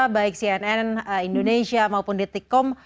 baik cnn indonesia maupun detikkom